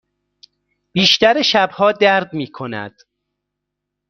بیشتر شبها درد می کند.